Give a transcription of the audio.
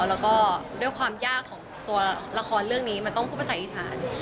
แล้วก็ด้วยความยากของตัวละครเรื่องนี้มันต้องผู้ประสาทิศาสตร์